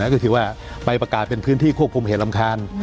ก็คือว่าไปประกาศเป็นพื้นที่ควบคุมเหตุรำคาญ